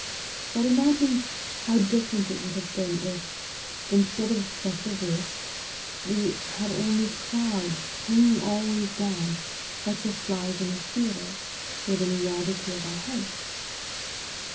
But imagine how different it would have been if, instead of such a roof, we had only clouds, hanging always down, like the flies in a theatre, within a yard or two of our heads!"